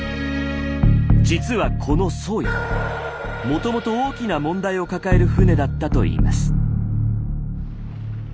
実はこの「宗谷」もともと大きな問題を抱える船だったといいます。